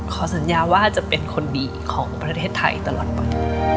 สัญญาว่าจะเป็นคนดีของประเทศไทยตลอดไป